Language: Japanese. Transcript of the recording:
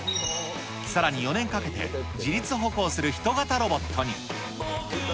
さらに４年かけて、自立歩行する人型ロボットに。